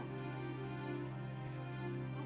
karena lu tuh gak punya perasaan